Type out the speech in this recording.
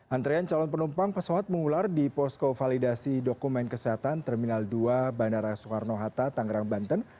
antrean calon penumpang pesawat mengular di posko validasi dokumen kesehatan terminal dua bandara soekarno hatta tangerang banten